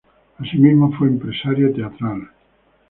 Asimismo, fue empresario teatral.